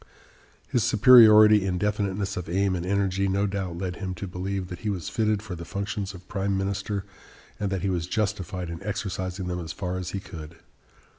His superiority in definiteness of aim and energy no doubt led him to believe that he was fitted for the functions of prime minister and that he was justified in exercising them as far as he could.